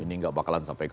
ini gak bakalan sampai